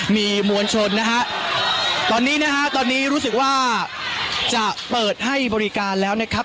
มีมวลชนนะฮะตอนนี้นะฮะตอนนี้รู้สึกว่าจะเปิดให้บริการแล้วนะครับ